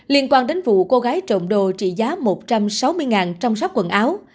liên quan đến vụ cô gái trộm đồ trị giá một trăm sáu mươi trong ráp quần áo